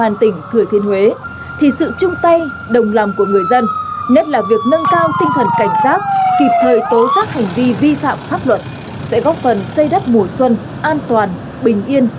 sẽ góp phần xây đất mùa xuân an toàn bình yên về với mọi người